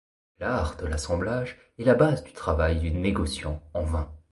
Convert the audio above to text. L'art de l'assemblage est la base du travail du négociant en vin.